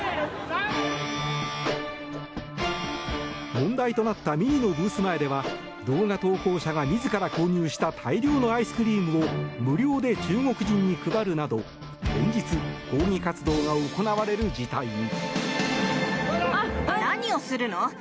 問題となったＭＩＮＩのブース前では動画投稿者が自ら購入した大量のアイスクリームを無料で中国人に配るなど連日、抗議活動が行われる事態に。